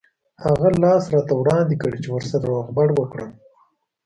هغه لاس راته وړاندې کړ چې ورسره روغبړ وکړم.